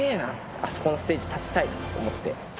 あそこのステージ立ちたいって思って。